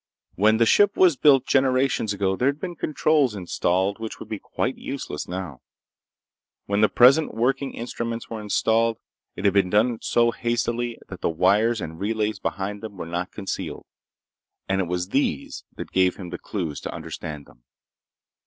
When the ship was built, generations ago, there'd been controls installed which would be quite useless now. When the present working instruments were installed, it had been done so hastily that the wires and relays behind them were not concealed, and it was these that gave him the clues to understand them.